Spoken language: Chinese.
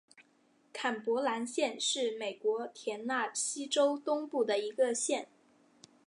坎伯兰县是美国田纳西州东部的一个县。